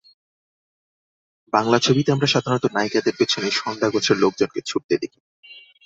বাংলা ছবিতে আমরা সাধারণত নায়িকাদের পেছনে ষন্ডা গোছের লোকজনকে ছুটতে দেখি।